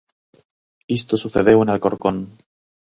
Isto sucedeu en Alcorcón.